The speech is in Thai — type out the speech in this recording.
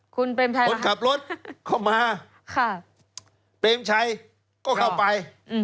คนขับรถเข้ามาเพรมชัยก็เข้าไป